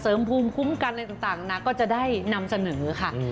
ภูมิคุ้มกันอะไรต่างนะก็จะได้นำเสนอค่ะ